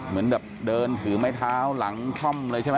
มันถือไม้เท้าหลังคล่อมเลยใช่ไหม